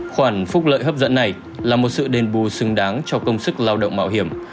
khoản phúc lợi hấp dẫn này là một sự đền bù xứng đáng cho công sức lao động mạo hiểm